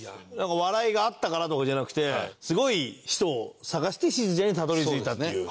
笑いが合ったからとかじゃなくてすごい人を探してしずちゃんにたどり着いたっていう。